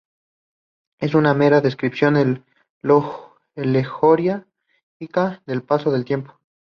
Es una mera descripción alegórica del paso del tiempo.